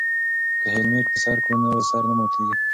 که هیلمټ په سر کړو نو سر نه ماتیږي.